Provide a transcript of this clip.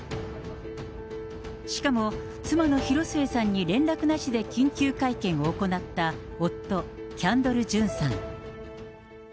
しかも、妻の広末さんに連絡なしで緊急会見を行った夫、キャンドル・ジュンさん。